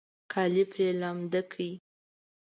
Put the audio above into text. کالي پرې لامده کړئ